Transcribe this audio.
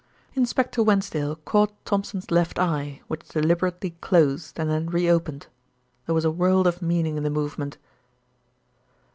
Inspector Wensdale caught Thompson's left eye, which deliberately closed and then re opened. There was a world of meaning in the movement.